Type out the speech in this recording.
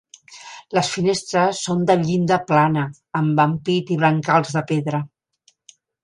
Les finestres són de llinda plana, amb ampit i brancals de pedra.